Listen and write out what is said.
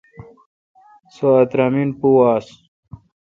سو اترامین پو آس۔